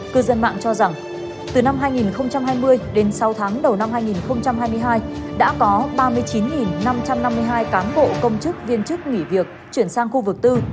cư dân mạng cho rằng từ năm hai nghìn hai mươi đến sáu tháng đầu năm hai nghìn hai mươi hai đã có ba mươi chín năm trăm năm mươi hai cán bộ công chức viên chức nghỉ việc chuyển sang khu vực tư